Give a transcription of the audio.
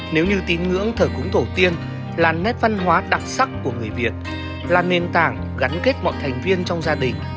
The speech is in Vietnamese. nếu như tín ngưỡng thờ cúng tổ tiên là nét văn hóa đặc sắc của người việt là nền tảng gắn kết mọi thành viên trong gia đình